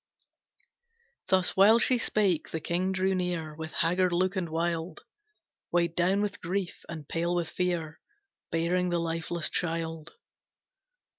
Thus while she spake, the king drew near With haggard look and wild, Weighed down with grief, and pale with fear, Bearing the lifeless child.